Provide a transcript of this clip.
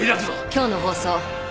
今日の放送